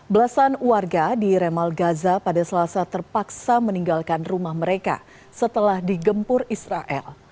belasan warga di remal gaza pada selasa terpaksa meninggalkan rumah mereka setelah digempur israel